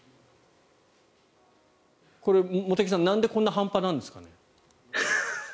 これ、茂木さんなんでこんな半端なんですかね。